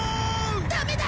ダメだ！